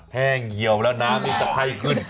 แห้งเหี่ยวแล้วน้ำนี่จะไข้ขึ้น